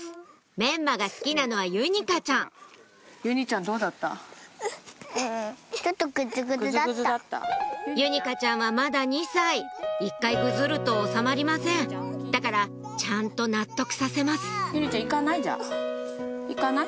メンマが好きなのはゆにかちゃんゆにかちゃんはまだ２歳１回ぐずると収まりませんだからちゃんと納得させます行かない？